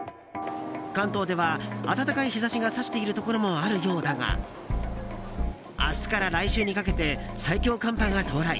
関東では暖かい日差しが差しているところもあるようだが明日から来週にかけて最強寒波が到来。